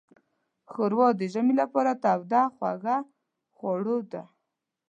ښوروا د ژمي لپاره توده خوږه خوړو ده.